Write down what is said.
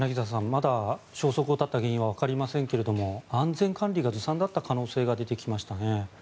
まだ消息を絶った原因はわかりませんけれども安全管理がずさんだった可能性が出てきましたね。